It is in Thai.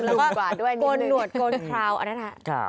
แล้วก็โกนหนวดโกนคราวอันนั้น